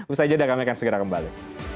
ustaz yeda kami akan segera kembali